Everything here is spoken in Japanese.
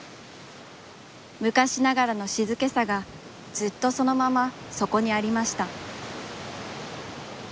むかしながらの静けさが、ずっとそのまま、そこにありました。